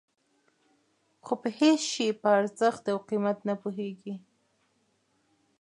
خو په هېڅ شي په ارزښت او قیمت نه پوهېږي.